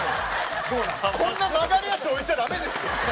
こんな曲がるやつ置いちゃダメですよ。